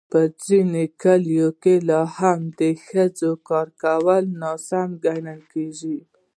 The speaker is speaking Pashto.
په ځینو کلیو کې لا هم د ښځو کار کول ناسم ګڼل کېږي.